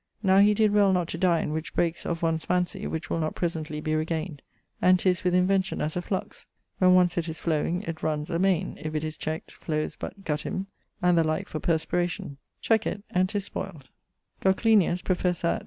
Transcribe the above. Now he did well not to dine, which breakes of one's fancy, which will not presently be regained: and 'tis with invention as a flux when once it is flowing, it runnes amaine; if it is checked, flowes but guttim: and the like for perspiration check it, and 'tis spoyled. [LXIV.] Goclenius, professor at